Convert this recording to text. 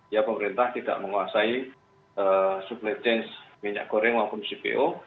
ya pemerintah tidak menguasai supply chain minyak goreng maupun cpo